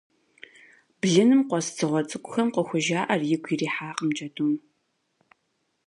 Блыным къуэс дзыгъуэ цӏыкӏухэм къыхужаӏэр игу ирихьакъым джэдум.